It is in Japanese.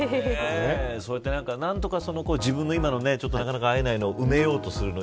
そうやって何とか自分の今の、なかなか会えないのを埋めようとする。